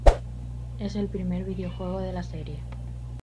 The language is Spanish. Es el primer videojuego de la serie.